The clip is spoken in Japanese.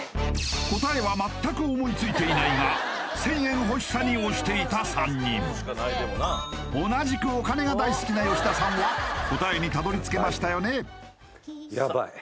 答えは全く思いついていないが１０００円欲しさに押していた３人同じくお金が大好きな吉田さんは答えにたどり着けましたよね？